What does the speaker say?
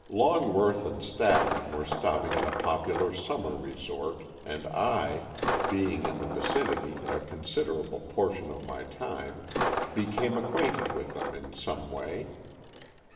Longworth and Statton were 40 Stories from the Adirondack^. stopping at a popular summer resort, and I, being in the vicinity a consider able portion of my time, became ac quainted with them in some way.